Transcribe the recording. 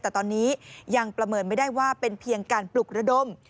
แต่ตอนนี้ยังประเมินไม่ได้ว่าเป็นเพียงการปลุกระดม